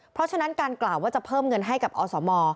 เพราะฉะนั้นการกล่าวว่าจะเพิ่มเงินให้กับอสม